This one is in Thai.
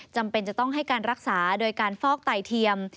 จำเป็นจะต้องให้การรักษาโดยการฟอกไตเทียม